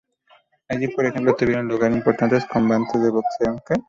Allí, por ejemplo, tuvieron lugar importantes combates de boxeo.